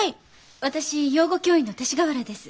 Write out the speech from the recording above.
私養護教員の勅使河原です。